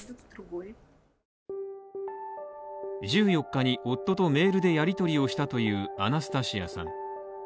１４日に夫とメールでやりとりをしたというアナスタシアさん